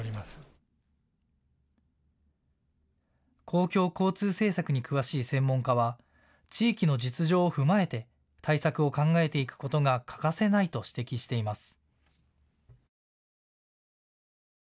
公共交通政策に詳しい専門家は地域の実情を踏まえて対策を考えていくことが欠かせないと指摘しています。